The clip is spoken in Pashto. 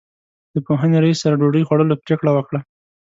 د پوهنې رئیس سره ډوډۍ خوړلو پرېکړه وکړه.